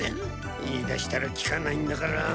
言いだしたら聞かないんだから。